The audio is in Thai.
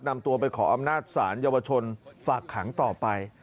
นำตัวไปขออำนาจศาลเยาวชนฝากขังต่อไป